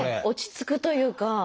落ち着くというか。